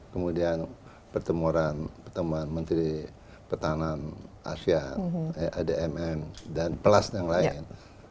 kemudian pertemuan menteri pertahanan asia admn dan plus yang lain